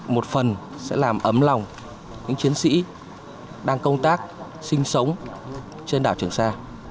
một phần sẽ làm ấm lòng những chiến sĩ đang công tác sinh sống trên đảo trường sa